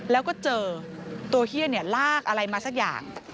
แล้วก็เจอตัวเฮียลากอะไรมาสักอย่าง